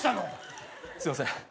すいません。